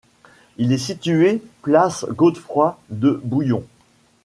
Il est situé place Godefroy-de-Bouillon.